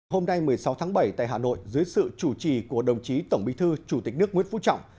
hôm nay một mươi sáu tháng bảy tại hà nội dưới sự chủ trì của đồng chí tổng bí thư chủ tịch nước nguyễn phú trọng